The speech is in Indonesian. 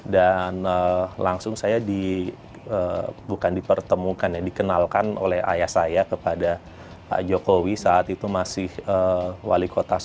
dan langsung saya di bukan dipertemukan ya dikenalkan oleh ayah saya kepada pak jokowi saat itu masih wali kota solo